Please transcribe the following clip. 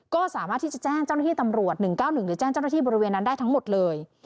ก็สามารถที่จะแจ้งเจ้าหน้าที่ตำรวจ๑๙๑หรือแจ้งเจ้าหน้าที่บริเวณนั้นได้ทั้งหมดเลย